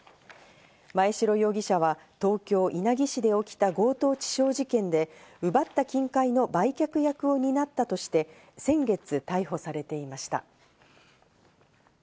真栄城容疑者は東京・稲城市で起きた強盗致傷事件で、奪った金塊の売却役を担ったとして先月、逮捕されていました。